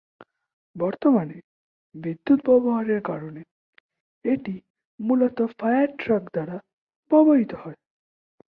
বর্তমানে বিদ্যুৎ ব্যবহারের কারণে এটি মূলত ফায়ার ট্রাক দ্বারা ব্যবহৃত হয়।